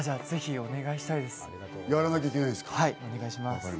ぜひお願いします。